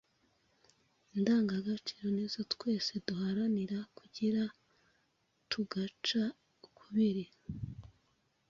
Indangagaciro ni zo twese duharanira kugira, tugaca ukubiri